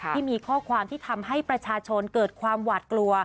ที่มีข้อความที่ทำให้ประชาชนเกิดความหวาดกลัว